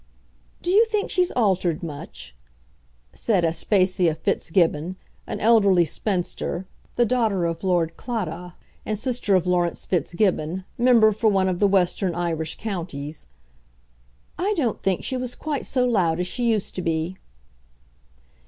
"Do you think she's altered much?" said Aspasia Fitzgibbon, an elderly spinster, the daughter of Lord Claddagh, and sister of Laurence Fitzgibbon, member for one of the western Irish counties. "I don't think she was quite so loud as she used to be."